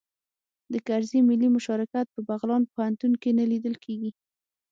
د کرزي ملي مشارکت په بغلان پوهنتون کې نه لیدل کیږي